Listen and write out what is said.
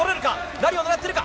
何を狙っているか。